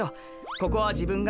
ここは自分が。